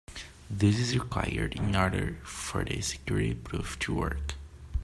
This is required in order for the security proof to work.